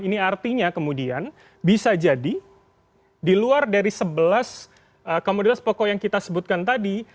ini artinya kemudian bisa jadi di luar dari sebelas komoditas pokok yang kita sebutkan tadi